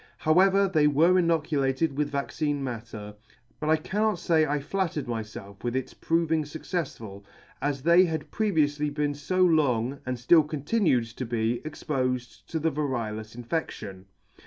However, they were inoculated with vaccine matter ; but I cannot fay I flattered myfelf with its proving fuccefsful, as they had previoufly been fo long, and flill continued to be, expofed to. the variolous infedion.